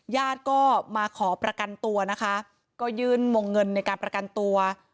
ญาติก็มาขอประกันตัวนะคะก็ยื่นวงเงินในการประกันตัว